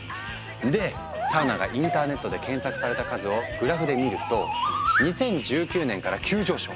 でサウナがインターネットで検索された数をグラフで見ると２０１９年から急上昇。